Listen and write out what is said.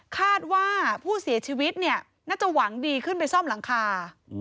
คาดว่าผู้เสียชีวิตเนี่ยน่าจะหวังดีขึ้นไปซ่อมหลังคา